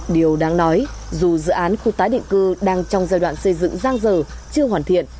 điều đáng nói dù dự án khu tái định cư đang trong giai đoạn xây dựng giang dở chưa hoàn thiện